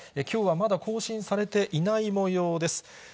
きょうはまだ更新されていないもようです。